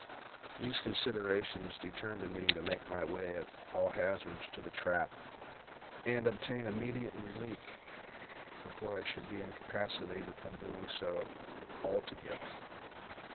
These considerations determined me to make my way, at all hazards, to the trap, and obtain immediate relief, before I should be incapacitated from doing so altogether.